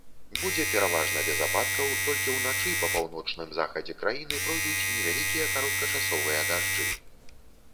Будзе пераважна без ападкаў, толькі ўначы па паўночным захадзе краіны пройдуць невялікія кароткачасовыя дажджы.